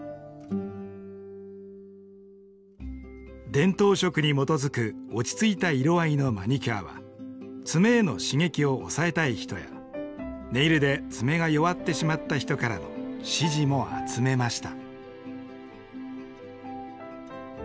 伝統色に基づく落ち着いた色合いのマニキュアは爪への刺激を抑えたい人やネイルで爪が弱ってしまった人からの支持も集めました。